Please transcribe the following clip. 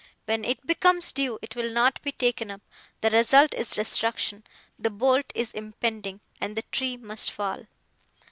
When it becomes due, it will not be taken up. The result is destruction. The bolt is impending, and the tree must fall.